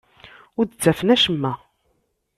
Ur d-ttafen acemma.